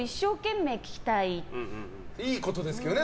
いいことですけどね